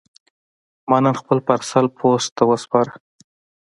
ما نن خپل پارسل پوسټ ته وسپاره.